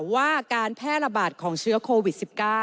ว่าการแพร่ระบาดของเชื้อโควิด๑๙